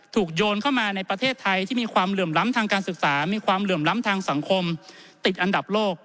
โยนเข้ามาในประเทศไทยที่มีความเหลื่อมล้ำทางการศึกษามีความเหลื่อมล้ำทางสังคมติดอันดับโลก